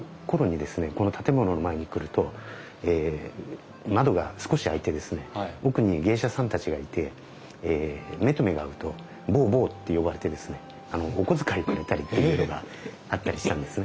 この建物の前に来ると窓が少し開いて奥に芸者さんたちがいて目と目が合うと坊坊って呼ばれてですねお小遣いくれたりっていうことがあったりしたんです。